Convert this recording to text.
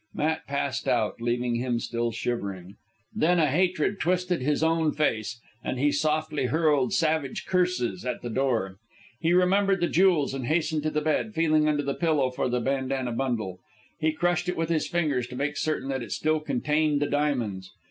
Matt passed out, leaving him still shivering. Then a hatred twisted his own face, and he softly hurled savage curses at the door. He remembered the jewels, and hastened to the bed, feeling under the pillow for the bandanna bundle. He crushed it with his fingers to make certain that it still contained the diamonds.